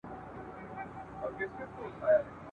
رنګین الفاظ یې رخت و زېور دی !.